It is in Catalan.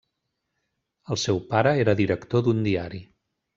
El seu pare era director d'un diari.